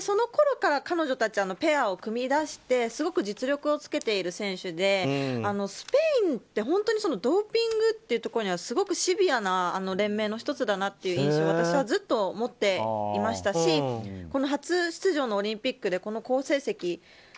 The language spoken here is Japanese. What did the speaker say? そのころから彼女たちはペアを組み出してすごく実力をつけている選手でスペインって本当にドーピングにはすごくシビアな連盟の１つだなという印象を私はずっと持っていましたしこの初出場のオリンピックでこの好成績。